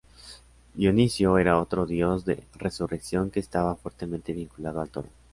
Dioniso era otro dios de resurrección que estaba fuertemente vinculado al toro.